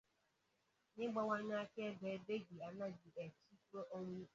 N'ịgbanwe akaebe, Peggy anaghị eche ikpe ọnwụ ikpe.